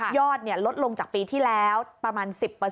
ลดลงจากปีที่แล้วประมาณ๑๐